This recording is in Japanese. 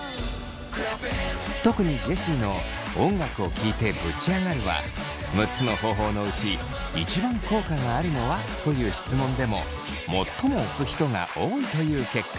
特にジェシーの「音楽を聴いてぶち上がる」は６つの方法のうち一番効果があるのは？という質問でも最も推す人が多いという結果に。